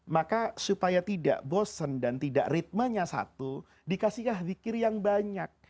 maka supaya tidak bosen dan tidak ritmenya satu dikasihlah zikir yang banyak